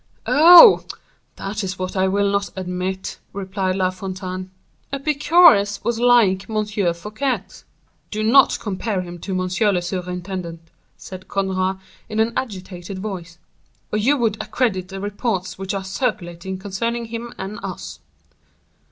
"Oh! that is what I will not admit," replied La Fontaine. "Epicurus was like M. Fouquet." "Do not compare him to monsieur le surintendant," said Conrart, in an agitated voice, "or you would accredit the reports which are circulating concerning him and us."